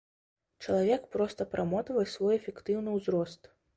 Чалавек проста прамотвае свой эфектыўны ўзрост.